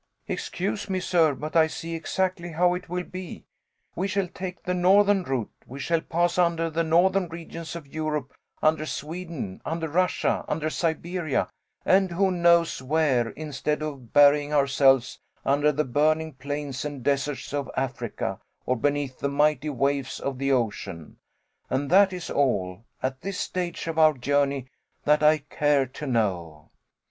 "Excuse me, sir, but I see exactly how it will be; we shall take the northern route; we shall pass under the northern regions of Europe, under Sweden, under Russia, under Siberia, and who knows where instead of burying ourselves under the burning plains and deserts of Africa, or beneath the mighty waves of the ocean; and that is all, at this stage of our journey, that I care to know.